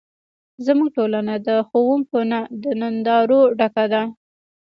زموږ ټولنه د ښوونکو نه، د نندارو ډکه ده.